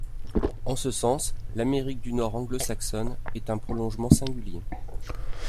En ce sens, l'Amérique du Nord anglo-saxonne en est un prolongement singulier.